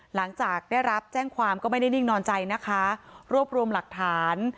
หลังจากได้รับแจ้งความก็ไม่ได้นิ่งนอนใจนะคะรวบรวมหลักฐาน